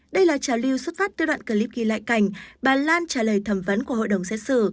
đây là trào lưu xuất phát từ đoạn clip ghi lại cảnh bà lan trả lời thẩm vấn của hội đồng xét xử